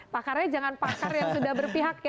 pakarnya jangan pakar yang sudah berpihaknya